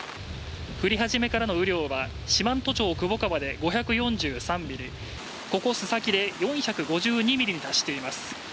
降り始めからの雨量は四万十町窪川で５４３ミリ、ここ須崎で４５２ミリに達しています